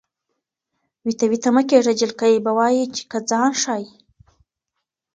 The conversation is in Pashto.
وېته وېته مه کېږه جلکۍ به وایې چې که ځان ښایې.